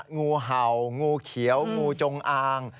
งูเห่างูเขียวงูจงอาง